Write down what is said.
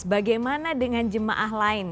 bagaimana dengan jemaah lain